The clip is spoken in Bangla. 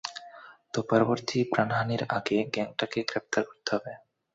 তো, পরবর্তী প্রাণহানির আগে গ্যাংটাকে গ্রেপ্তার করতে হবে।